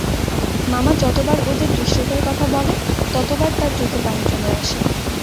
মামা যতবার ওদের দৃশ্যটার কথা বলে, ততবার তার চোখে পানি চলে আসে।